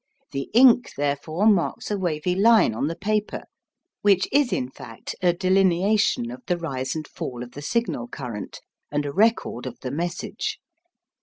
The ink, therefore, marks a wavy line on the paper, which is in fact a delineation of the rise and fall of the signal current and a record of the message.